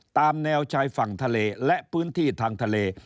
ตามแนวชายฝั่งทะเลและพื้นที่ทางทะเล